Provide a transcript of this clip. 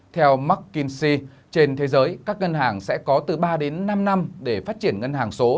theo mckinsey trên thế giới các ngân hàng sẽ có từ ba đến năm năm để phát triển ngân hàng số